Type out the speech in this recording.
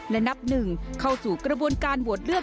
และนับหนึ่งเข้าสู่กระบวนการโหวตเลือก